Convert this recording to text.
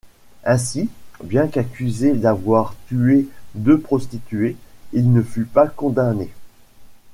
Ainsi, bien qu'accusé d'avoir tué deux prostituées, il ne fut pas condamné.